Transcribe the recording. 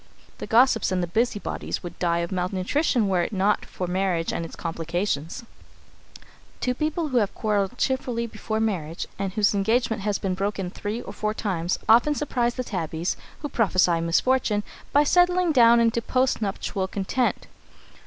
The gossips and the busybodies would die of mal nutrition were it not for marriage and its complications. [Sidenote: The Tabbies] Two people who have quarrelled cheerfully before marriage and whose engagement has been broken three or four times often surprise the tabbies who prophesy misfortune by settling down into post nuptial content.